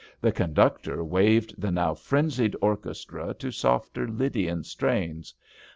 The conductor waved the now frenzied orchestra to softer Lydian strains.